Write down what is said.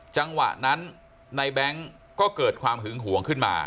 จังหวะนั้นในแบงค์ก็เกิดความหึงหวงขึ้นมา